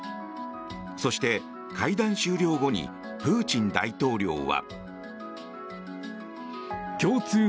そして会談終了後にプーチン大統領は。